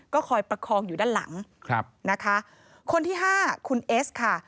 ก็คอยประคองอยู่ด้านหลังครับนะคะคนที่ห้าคุณเอสค่ะ